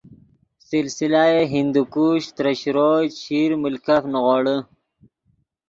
سلسلہ ہندوکش ترے شروئے، چیشیر ملکف نیغوڑے